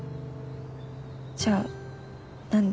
じゃあ何で。